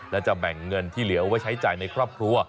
และจะแบ่งเงินที่เหลือไว้ใช้จ่ายในครอบครัว